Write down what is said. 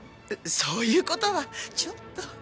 そういう事はちょっと。